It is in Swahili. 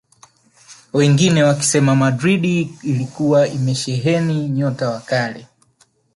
Wengine wakisema Madrid ilikuwa imesheheni nyota wa kali